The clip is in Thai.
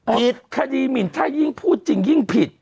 ผิดคดีหมินถ้ายิ่งพูดจริงยิ่งผิด